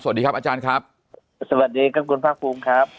สวัสดีครับอาจารย์ครับสวัสดีครับคุณภาคภูมิครับ